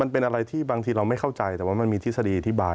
เป็นอะไรที่บางทีเราไม่เข้าใจแต่ว่ามันมีทฤษฎีอธิบาย